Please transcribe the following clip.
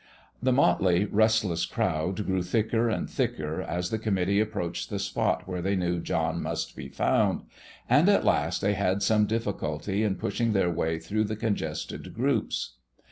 The motley, restless crowd grew thicker and thicker as the committee approached the spot where they knew John must be found, and at last they had some difficulty in pushing their way through the congested groups.